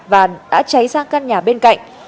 và đã cháy sang các nhà bên cạnh